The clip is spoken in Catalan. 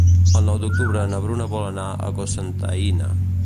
El nou d'octubre na Bruna vol anar a Cocentaina.